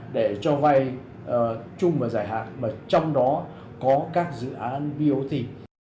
để cho vay chung và giải hạn mà trong đó có các dự án biểu thị